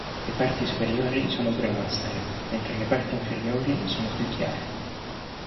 Le parti superiori sono brunastre, mentre le parti inferiori sono più chiare.